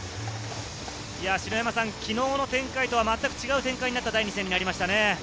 昨日の展開とは、全く違う展開になった第２戦になりましたね。